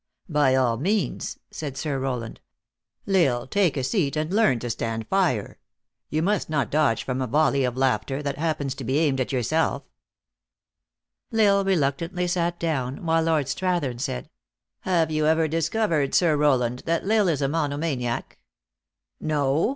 " By all means," said Sir Howland. " L Isle, take a seat, and learn to stand fire. You. must not dodge from a volley of laughter, that happens to be aimed at yourself." "L Isle reluctantly sat down, while Lord Strathern said :" Have you ever discovered, Sir Rowland, that L Isle is a monomaniac?" "No!